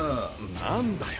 何だよ